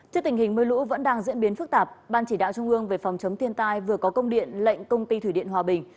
trước tình hình mưa lũ vẫn đang diễn biến phức tạp ban chỉ đạo trung ương về phòng chống thiên tai vừa có công điện lệnh công ty thủy điện hòa bình